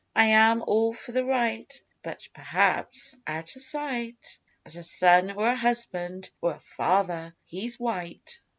I am all for the Right, But perhaps (out of sight) As a son or a husband or father he's white.